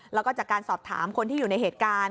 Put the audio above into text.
แล้วก็จากการสอบถามคนที่อยู่ในเหตุการณ์